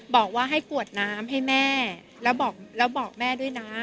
บอกว่าให้กวดน้ำให้แม่แล้วบอกแล้วบอกแม่ด้วยนะ